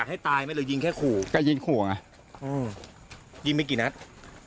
อันนี้คำต่ออ้างของผู้ก่อเหตุนะครับทุกผู้ชมครับ